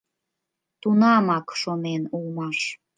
Тунамак шонен улмаш;